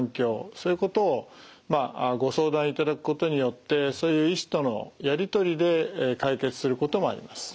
そういうことをご相談いただくことによってそういう医師とのやり取りで解決することもあります。